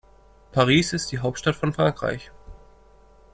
Paris ist die Hauptstadt von Frankreich.